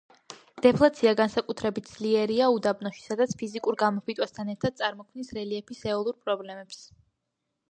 დეფლაცია განსაკუთრებით ძლიერია უდაბნოში, სადაც ფიზიკურ გამოფიტვასთან ერთად წარმოქმნის რელიეფის ეოლურ ფორმებს.